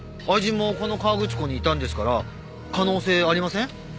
愛人もこの河口湖にいたんですから可能性ありません？